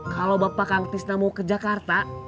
kalau bapak kang pizna mau ke jakarta